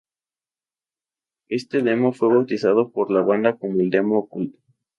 Este "Demo" fue bautizado por la banda como el ""Demo Oculto"".